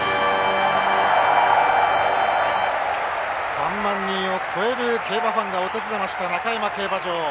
３万人を超える競馬ファンが訪れました中山競馬場。